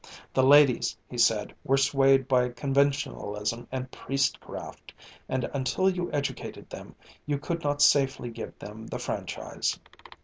The ladies, he said, were swayed by Conventionalism and Priestcraft, and until you educated them, you could not safely give them the franchise.